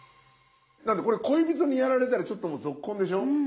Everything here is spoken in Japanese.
これ恋人にやられたらちょっともうぞっこんでしょ。